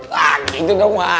wah itu dong ma